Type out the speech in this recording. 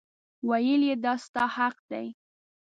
ویل یې دا ستا حق دی.